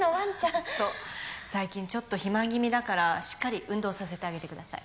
最近ちょっと肥満気味だからしっかり運動させてあげてください。